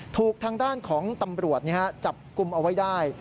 ถูกทางด้านของตำรวจจับกลุ่มเอาไว้ได้